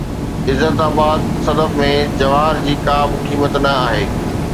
عزت آباد-صدف ۾ جواهر جي ڪا به قيمت نه آهي